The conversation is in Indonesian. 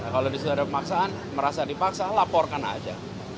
kalau ada pemaksaan merasa dipaksa laporkan aja